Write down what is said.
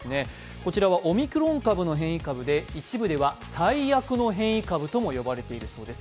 こちらはオミクロン株の変異株で一部では最悪の変異株とも呼ばれているそうです。